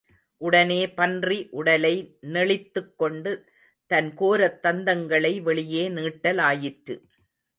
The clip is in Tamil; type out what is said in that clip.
உடனே பன்றி உடலை நெளித்துக்கொண்டு தன்கோரத் தந்தங்களை வெளியே நீட்டலாயிற்று.